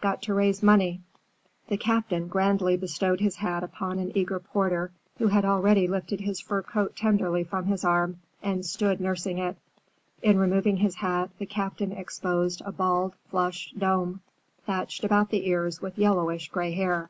Got to raise money." The Captain grandly bestowed his hat upon an eager porter who had already lifted his fur coat tenderly from his arm and stood nursing it. In removing his hat, the Captain exposed a bald, flushed dome, thatched about the ears with yellowish gray hair.